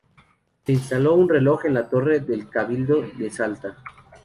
Se instaló un reloj en la torre del Cabildo de Salta.